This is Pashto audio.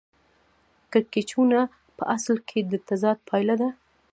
کړکېچونه په اصل کې د تضاد پایله ده